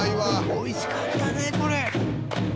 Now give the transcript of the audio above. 「美味しかったねこれ」